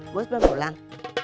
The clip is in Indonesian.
bos belum pulang